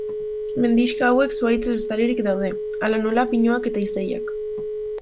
Mendixka hauek zuhaitzez estalirik daude, hala nola, pinuak eta izeiak.